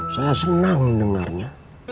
saya senang mendengarnya